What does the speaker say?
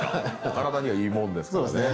体にはいいもんですからね。